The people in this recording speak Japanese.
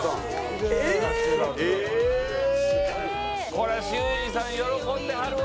これ修士さん喜んではるわ。